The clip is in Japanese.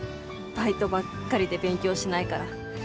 バイトばっかりで勉強しないから。